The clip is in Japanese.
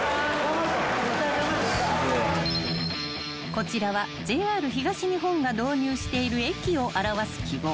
［こちらはＪＲ東日本が導入している駅を表す記号］